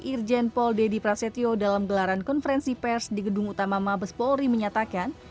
irjen pol dedy prasetyo dalam gelaran konferensi pers di gedung utama mabes polri menyatakan